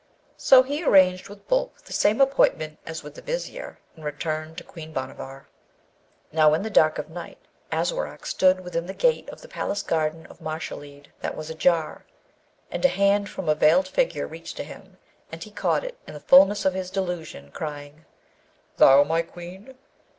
So he arranged with Boolp the same appointment as with the Vizier, and returned to Queen Bhanavar. Now, in the dark of night Aswarak stood within the gate of the palace garden of Mashalleed that was ajar, and a hand from a veiled figure reached to him, and he caught it, in the fulness of his delusion, crying, 'Thou, my Queen?'